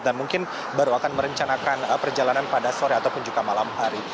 dan mungkin baru akan merencanakan perjalanan pada sore ataupun juga malam hari